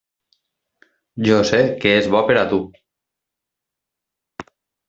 Jo sé que és bo per a tu.